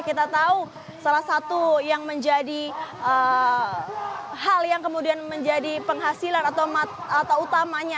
kita tahu salah satu yang menjadi hal yang kemudian menjadi penghasilan atau utamanya